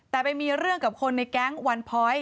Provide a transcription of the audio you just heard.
แต่ไปมีเรื่องกับคนในแก๊งวันพอยต์